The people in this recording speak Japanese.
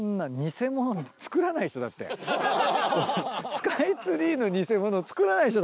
スカイツリーの偽物作らないでしょ？